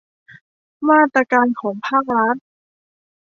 มาตรการของภาครัฐ